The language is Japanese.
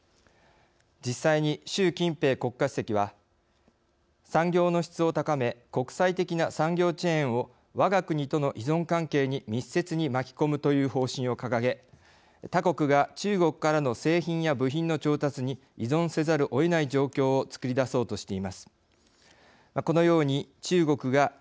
実際に習近平国家主席は「産業の質を高め国際的な産業チェーンをわが国との依存関係に密接に巻き込む」という方針を掲げ他国が中国からの製品や部品の調達に依存せざるをえない状況を作り出そうというねらいがうかがえます。